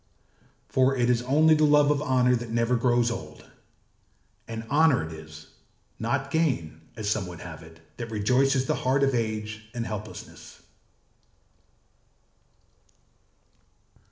For it is only the love of honour that never grows old; and honour it is, not gain, as some would have it, that rejoices the heart of age and helplessness.